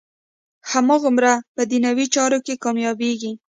هماغومره په دنیوي چارو کې کامیابېږي.